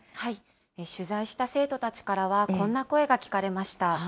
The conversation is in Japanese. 取材した生徒たちからはこんな声が聞かれました。